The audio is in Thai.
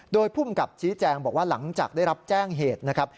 โดยภูมิกับชี้แจงบอกว่าหลังจากได้รับแจ้งเหตุนะครับ